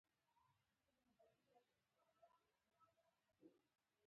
لومړنیو پوځي بریالیتوبونو د جمهوریت مشران وهڅول.